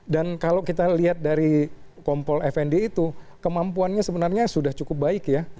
dan kalau kita lihat dari kompol fnd itu kemampuannya sebenarnya sudah cukup baik ya